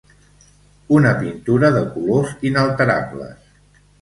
Una pintura de colors inalterables.